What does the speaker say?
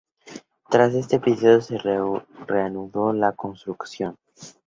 Tras este episodio se reanudó la construcción.